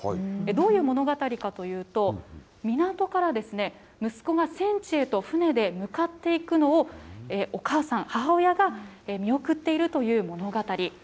どういう物語かというと、港から息子が戦地へと船で向かっていくのをお母さん、母親が見送っているという物語。